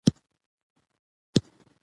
سیاسي پروسه ټولشموله وي